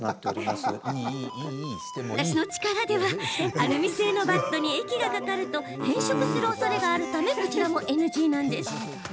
アルミ製のバットに液がかかると変色するおそれがあるためこちらもＮＧ。